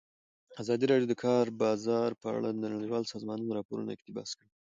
ازادي راډیو د د کار بازار په اړه د نړیوالو سازمانونو راپورونه اقتباس کړي.